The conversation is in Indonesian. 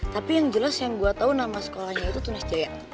tapi yang jelas yang gue tahu nama sekolahnya itu tunas jaya